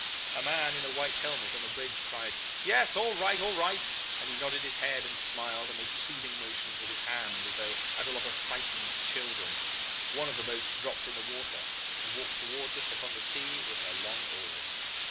A man in a white helmet, on the bridge, cried, 'Yes! All right! all right!' and he nodded his head, and smiled, and made soothing motions with his hand as though at a lot of frightened children. One of the boats dropped in the water, and walked towards us upon the sea with her long oars.